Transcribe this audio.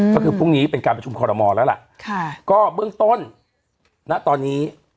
ก็คือพรุ่งนี้เป็นการประชุมคอรมอลแล้วล่ะค่ะก็เบื้องต้นณตอนนี้